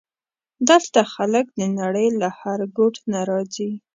دلته خلک د نړۍ له هر ګوټ نه راځي.